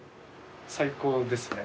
最高ですね。